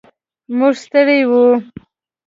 موږ ستړي و.